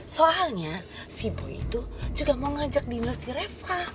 soalnya si boy itu juga mau ngajak diner si reva